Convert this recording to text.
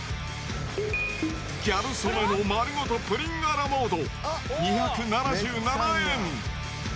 ギャル曽根の丸ごとプリンアラモード２７７円。